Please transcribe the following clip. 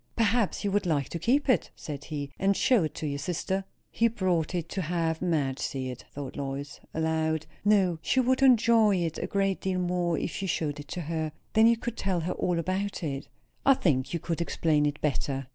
"Perhaps you would like to keep it," said he, "and show it to your sister." He brought it to have Madge see it! thought Lois. Aloud "No she would enjoy it a great deal more if you showed it to her; then you could tell her about it." "I think you could explain it better."